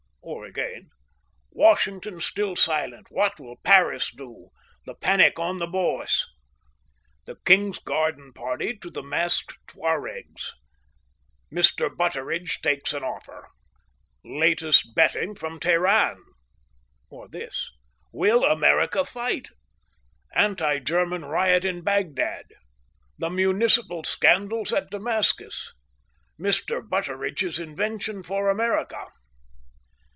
or again: WASHINGTON STILL SILENT. WHAT WILL PARIS DO? THE PANIC ON THE BOURSE. THE KING'S GARDEN PARTY TO THE MASKED TWAREGS. MR. BUTTERIDGE TAKES AN OFFER. LATEST BETTING FROM TEHERAN. or this: WILL AMERICA FIGHT? ANTI GERMAN RIOT IN BAGDAD. THE MUNICIPAL SCANDALS AT DAMASCUS. MR. BUTTERIDGE'S INVENTION FOR AMERICA.